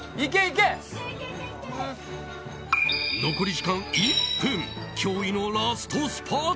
残り時間１分驚異のラストスパート。